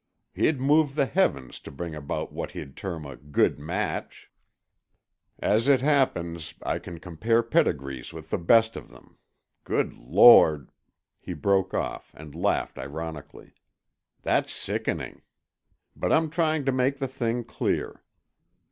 He'd move the heavens to bring about what he'd term 'a good match.' "As it happens I can compare pedigrees with the best of them—Good Lord!" he broke off and laughed ironically. "That's sickening; but I'm trying to make the thing clear.